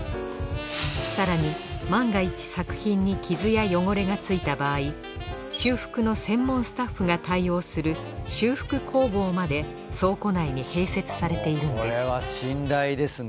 更に万が一作品に傷や汚れがついた場合修復の専門スタッフが対応する修復工房まで倉庫内に併設されているんですこれは信頼ですね。